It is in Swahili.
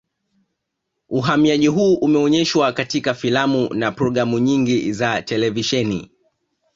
Uhamiaji huu umeonyeshwa katika filamu na programu nyingi za televisheni